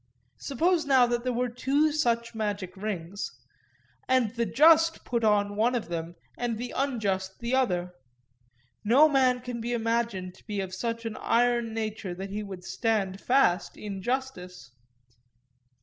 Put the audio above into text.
Suppose now that there were two such magic rings, and the just put on one of them and the unjust the other; no man can be imagined to be of such an iron nature that he would stand fast in justice.